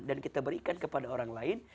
dan kita berikan kepada orang lain